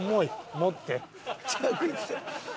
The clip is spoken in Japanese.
持って。